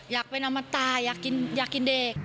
อยากเป็นอมตายอยากกินเด็ก